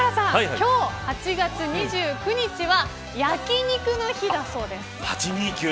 今日８月２９日は焼肉の日だそうです。